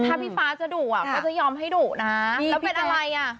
ถ้าพี่ฟ้าจะดุอ่ะก็จะยอมให้ดุนะแล้วเป็นอะไรอ่ะ